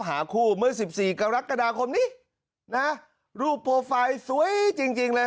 หาคู่เมื่อสิบสี่กรกฎาคมนี้นะรูปโปรไฟล์สวยจริงจริงเลย